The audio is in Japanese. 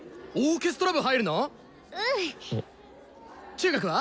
中学は？